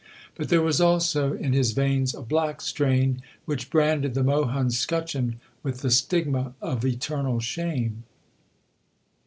But there was also in his veins a black strain which branded the Mohun 'scutcheon with the stigma of eternal shame.